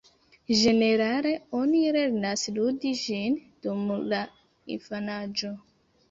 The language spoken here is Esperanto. Ĝenerale, oni lernas ludi ĝin dum la infanaĝo.